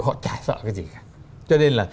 họ chả sợ cái gì cả cho nên là